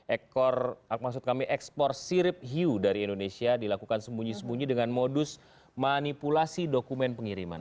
ekor maksud kami ekspor sirip hiu dari indonesia dilakukan sembunyi sembunyi dengan modus manipulasi dokumen pengiriman